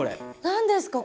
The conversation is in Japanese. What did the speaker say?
何ですか？